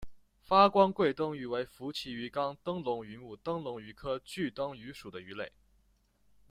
发光炬灯鱼为辐鳍鱼纲灯笼鱼目灯笼鱼科炬灯鱼属的鱼类。